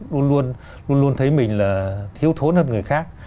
luôn luôn thấy mình là thiếu thốn hơn người khác